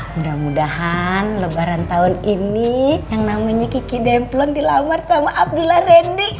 mudah mudahan lebaran tahun ini yang namanya kiki demplon dilamar sama abdullah rendy